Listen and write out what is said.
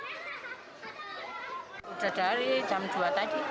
sudah dari jam dua tadi